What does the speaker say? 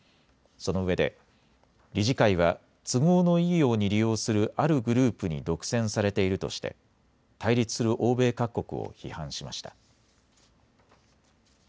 そのうえで理事会は都合のいいように利用するあるグループに独占されているとして対立する欧米各国を批判しました。